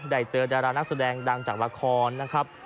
ได้เจอดารานักแสดงดังจากละครนะครับ